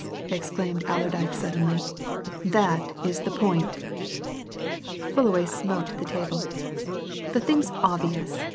exclaimed Allerdyke suddenly. "That is the point!" Fullaway smote the table. "The thing's obvious!"